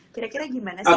kira kira gimana sih